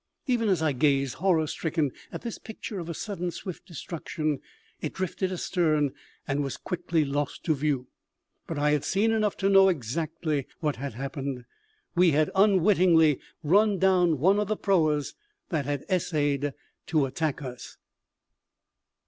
Even as I gazed, horror stricken, at this picture of sudden, swift destruction, it drifted astern and was quickly lost to view; but I had seen enough to know exactly what had happened. We had unwittingly run down one of the proas that had essayed to attack us.